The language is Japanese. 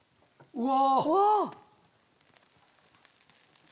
うわ！